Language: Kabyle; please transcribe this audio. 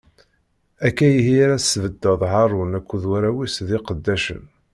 Akka ihi ara tesbeddeḍ Haṛun akked warraw-is d lqeddacen.